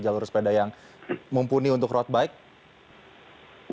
jalur sepeda yang mumpuni untuk road bike